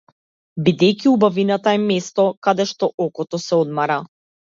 Бидејќи убавината е место каде што окото се одмора.